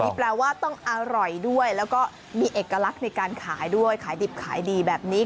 แปลว่าต้องอร่อยด้วยแล้วก็มีเอกลักษณ์ในการขายด้วยขายดิบขายดีแบบนี้